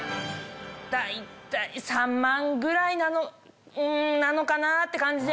大体３万ぐらいなのかなって感じで。